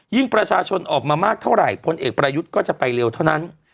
ประชาชนออกมามากเท่าไหร่พลเอกประยุทธ์ก็จะไปเร็วเท่านั้น